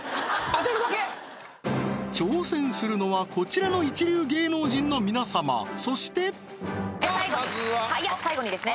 挑戦するのはこちらの一流芸能人の皆様そして最後に最後にですね